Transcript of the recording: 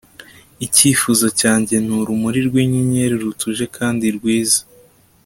Icyifuzo cyanjye ni urumuri rwinyenyeri rutuje kandi rwiza